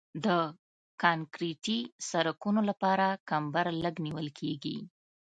د کانکریټي سرکونو لپاره کمبر لږ نیول کیږي